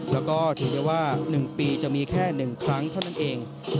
แล้วก็ถือได้ว่า๑ปีจะมีแค่๑ครั้งเท่านั้นเอง